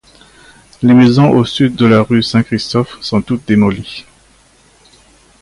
Les maisons au sud de la rue Saint-Christophe sont toutes démolies.